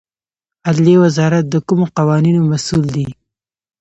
عدلیې وزارت د کومو قوانینو مسوول دی؟